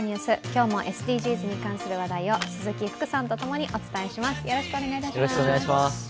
今日もＳＤＧｓに関する話題を鈴木福さんと共にお伝えします。